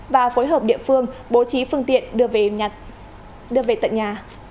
và phối hợp địa phương bố trí phương tiện đưa về tận nhà